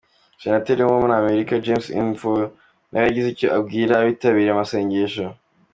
Umusenateri wo muri Amerika, James Inhofe, nawe yagize icyo abwira abitabiriye amasengesho.